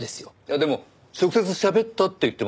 でも直接しゃべったって言ってますよ